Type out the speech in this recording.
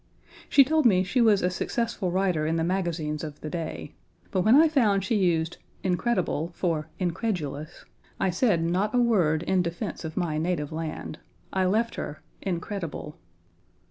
She told me she was a successful writer in the magazines of the day, but when I found she used "incredible" for "incredulous," I said not a word in defense of my native land. I left her "incredible."